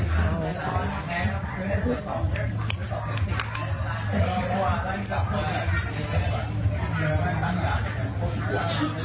เสร็จแล้ว